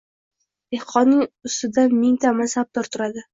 dehqonning ustida mingta mansabdor turadi.